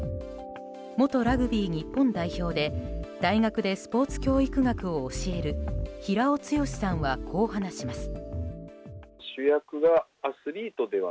元ラグビー日本代表で大学でスポーツ教育学を教える平尾剛さんは、こう話します。